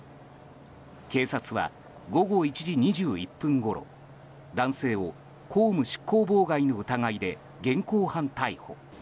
警察は午後１時２１分ごろ男性を公務執行妨害の疑いで現行犯逮捕。